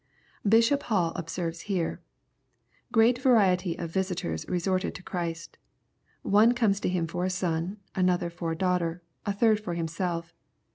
] Bishop Hall observes here: " Great variety of visitors resorted to Christ One comes to Him for a flon; another for a daughter; a third for himself.